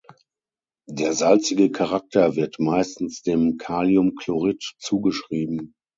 Der salzige Charakter wird meistens dem Kaliumchlorid zugeschrieben.